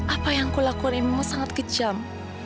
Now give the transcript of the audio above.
apa yang kulakukan itu sangat kejam